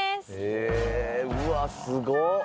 へぇうわすごっ！